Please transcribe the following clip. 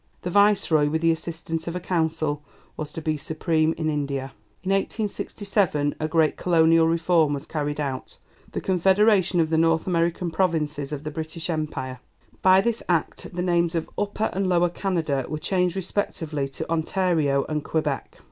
The Viceroy, with the assistance of a Council, was to be supreme in India. In 1867 a great colonial reform was carried out, the Confederation of the North American Provinces of the British Empire. By this Act the names of Upper and Lower Canada were changed respectively to Ontario and Quebec.